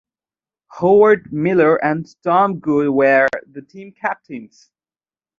Howard Miller and Tom Good were the team captains.